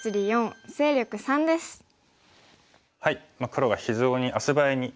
黒が非常に足早に。